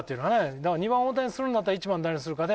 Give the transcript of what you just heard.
だから２番大谷にするんだったら１番誰にするかで。